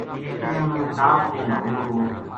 اِنھاں نا ٹاپ پو مھارے کول